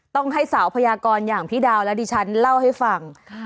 ต้องให้สาวพยากรอย่างพี่ดาวและดิฉันเล่าให้ฟัง